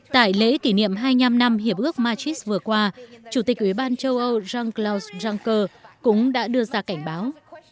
tại lễ kỷ niệm hai mươi năm năm hiệp ước madrid vừa qua chủ tịch uban châu âu jean claude juncker cũng đã đưa ra cảnh báo